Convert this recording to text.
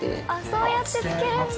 そうやってつけるんだ！